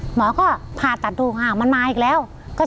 หมอก็พาตัดดูมันมาอีกแล้ว